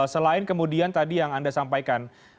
selain kemudian tadi yang anda sampaikan